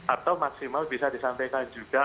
atau maksimal bisa disampaikan juga